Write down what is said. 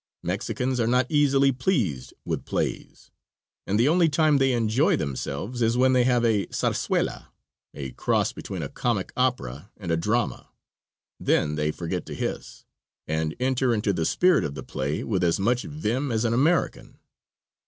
Mexicans are not easily pleased with plays; and the only time they enjoy themselves is when they have a "Zarzuela" a cross between a comic opera and a drama. Then they forget to hiss, and enter into the spirit of the play with as much vim as an American.